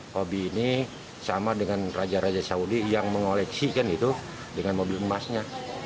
hobi ini sama dengan raja raja saudi yang mengoleksi kan itu dengan mobil emasnya